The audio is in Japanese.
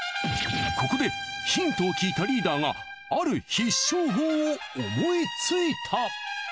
ここでヒントを聞いたリーダーがある必勝法を思いついた！